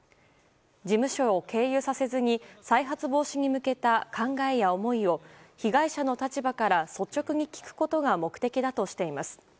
事務所を経由させずに再発防止に向けた考えや思いを被害者の立場から率直に聞くことが目的だとしています。